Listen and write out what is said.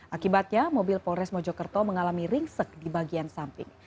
akibatnya mobil polres mojokerto mengalami ringsek di bagian samping